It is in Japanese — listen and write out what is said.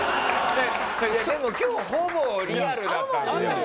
でも今日ほぼリアルだったんですよ。